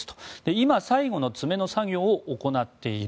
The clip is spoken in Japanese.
今、最後の詰めの作業を行っている。